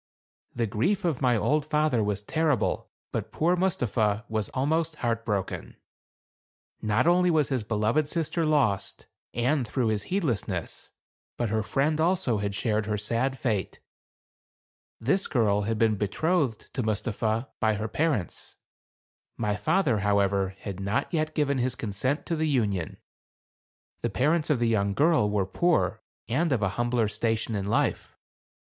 The grief of my old father was terrible ; but poor Mustapha was almost heart broken. Not only was his beloved sister lost, and through his heedlessness, but her friend also had shared her sad fate. This girl had been betrothed to Mus tapha by her parents. My father, however, had not yet given his consent to the union. The parents of the young girl were poor and of a humbler station in life.